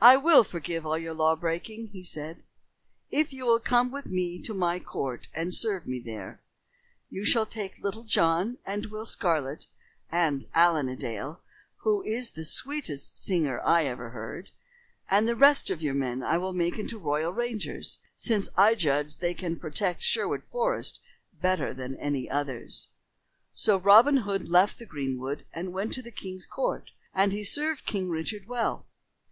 "I will forgive all your law breaking," he said, "if you will come with me to my court and serve me there. You shall take Little John and Will Scarlet and Allen a Dale, who is the sweetest singer I ever heard; and the rest of your men I will make into royal rangers, since I judge that they can protect Sherwood Forest better than any others." So Robin Hood left the greenwood and went to the king's court and he served King Richard well.